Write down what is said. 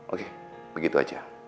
oke begitu saja